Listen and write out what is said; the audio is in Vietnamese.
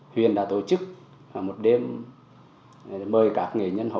huyền đã tổ chức một đêm mời các nghề nhân hò khoan